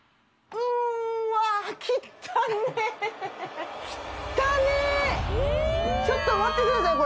きったねーちょっと待ってください